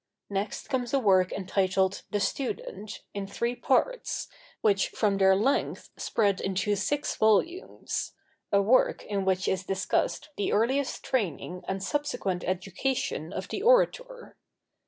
Next comes a work entitled 'The Student,' in three parts, which from their length spread into six volumes: a work in which is discussed the earliest training and subsequent education of the orator.